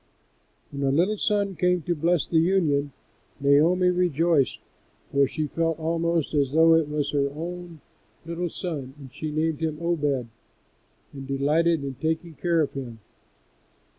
When a little son came to bless the union, Naomi rejoiced, for she felt almost as though it was her own little son, and she named him Obed and delighted in taking care of him.